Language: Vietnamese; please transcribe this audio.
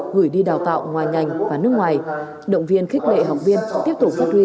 gửi đi đào tạo ngoài ngành và nước ngoài động viên khích lệ học viên tiếp tục phát huy